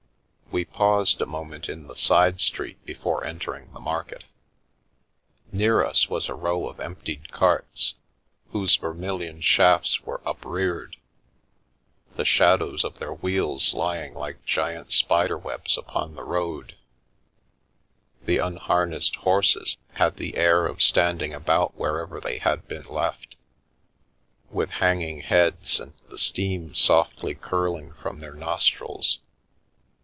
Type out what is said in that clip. We paused a moment in the side .street before en tering the market. Near us was a row of emptied carts, whose vermilion shafts were upreared, the shadows of their wheels lying like giant spider webs upon the road ; the unharnessed horses had the air of standing about wherever they had been left, with hanging heads and the steam softly curling from their nostrils.